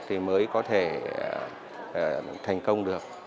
thì mới có thể thành công được